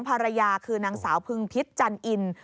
ภรรยาคือนางสาวพึงพิษจันอิน